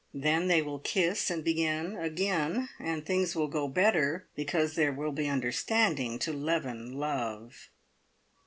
Then they will kiss and begin again, and things will go better, because there will be understanding to leaven love.